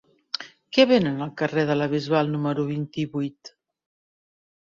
Què venen al carrer de la Bisbal número vint-i-vuit?